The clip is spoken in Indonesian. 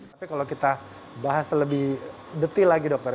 tapi kalau kita bahas lebih detil lagi dokter